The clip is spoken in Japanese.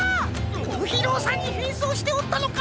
ぶひろうさんにへんそうしておったのか！